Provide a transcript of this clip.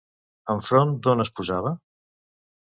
Enfront d'on es posava?